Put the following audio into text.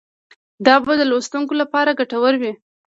دا به د لوستونکو لپاره ګټور وي.